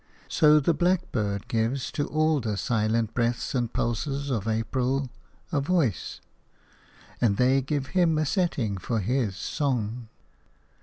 So the blackbird gives to all the silent breaths and pulses of April a voice, and they give him a setting for his song.